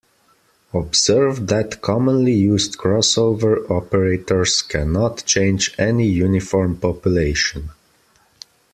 Observe that commonly used crossover operators cannot change any uniform population.